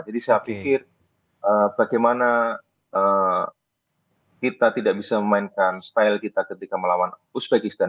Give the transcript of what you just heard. jadi saya pikir bagaimana kita tidak bisa memainkan style kita ketika melawan uzbekistan